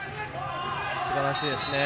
すばらしいですね。